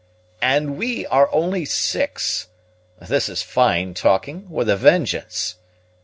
"And we are only six! This is fine talking, with a vengeance.